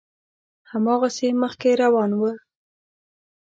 هماغسې مخکې روان و.